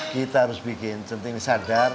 kita harus bikin penting sadar